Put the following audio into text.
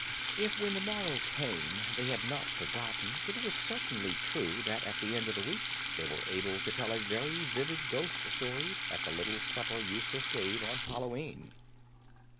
If when the morrow came they had not forgotten, it was certainly true that at the end of the week they were able to tell a very vivid ghost story at the little supper Eustace gave on Hallow E'en.